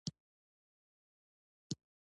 د قیسی زردالو صادراتي ارزښت لري.